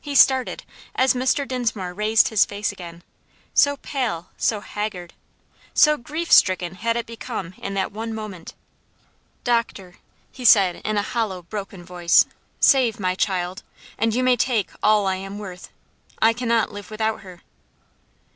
He started, as Mr. Dinsmore raised his face again, so pale, so haggard, so grief stricken had it become in that one moment. "Doctor," he said in a hollow, broken voice, "save my child, and you may take all I am worth. I cannot live without her."